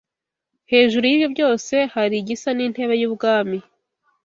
Hejuru y’ibyo byose hari igisa n’intebe y’ubwami